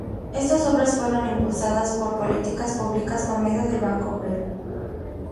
Estas obras fueron impulsadas por políticas públicas por medio del Banco Obrero.